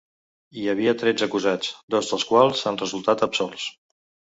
Hi havia tretze acusats, dos dels quals han resultat absolts.